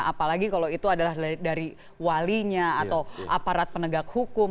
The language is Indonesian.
apalagi kalau itu adalah dari walinya atau aparat penegak hukum